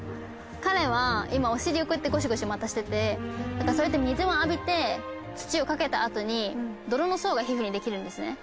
彼は今お尻をこうやってゴシゴシまたしててそれって水を浴びて土をかけたあとに泥の層が皮膚にできるんですね。